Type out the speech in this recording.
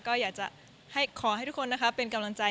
ก็อยากจะขอให้ทุกคนนะคะเป็นกำลังใจ